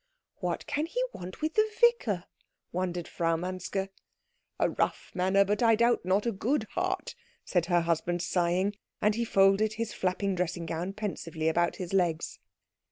"What can he want with the vicar?" wondered Frau Manske. "A rough manner, but I doubt not a good heart," said her husband, sighing; and he folded his flapping dressing gown pensively about his legs.